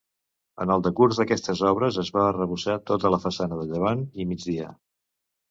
En el decurs d'aquestes obres es va arrebossar tota la façana de llevant i migdia.